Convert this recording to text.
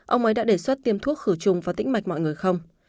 ông ấy đã đề xuất tiêm thuốc khử trùng và tĩnh mạch mọi người không